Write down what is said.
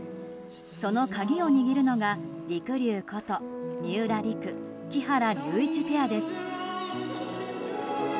その鍵を握るのがりくりゅうこと三浦璃来、木原龍一ペアです。